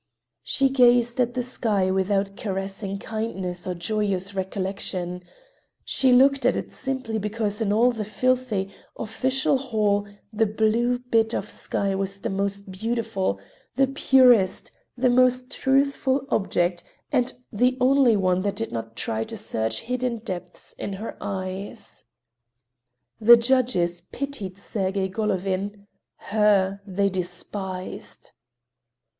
She gazed at the sky without caressing kindness or joyous recollections—she looked at it simply because in all the filthy, official hall the blue bit of sky was the most beautiful, the purest, the most truthful object, and the only one that did not try to search hidden depths in her eyes. The judges pitied Sergey Golovin; her they despised.